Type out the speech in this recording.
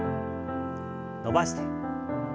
伸ばして。